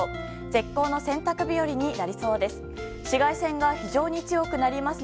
絶好の洗濯日和になりそうです。